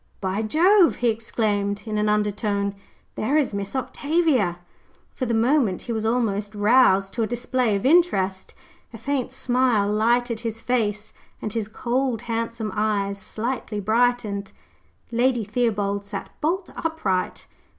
"By Jove!" he exclaimed, in an undertone, "there is Miss Octavia." For the moment he was almost roused to a display of interest. A faint smile lighted his face, and his cold, handsome eyes slightly brightened. Lady Theobald sat bolt upright.